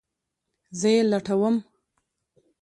زه یی لټوم